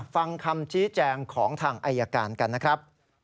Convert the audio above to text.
ฟังคำชี้แจงของทางอายการกันนะครับ